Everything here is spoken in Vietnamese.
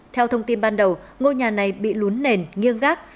theo thông tin ban đầu ngôi nhà này bị lún nền nghiêng gác